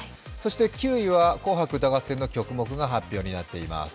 ９位は「紅白歌合戦」の曲目が発表になっています。